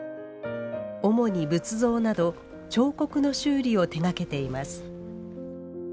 主に仏像など彫刻の修理を手がけています。